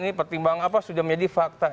ini pertimbangan apa sudah menjadi fakta